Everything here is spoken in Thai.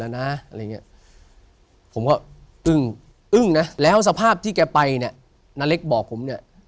ในการไปณเล็กบอกผม